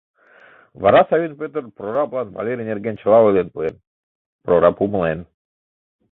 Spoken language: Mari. Вара Савин Пӧтыр прораблан Валерий нерген чыла ойлен пуэн, прораб умылен.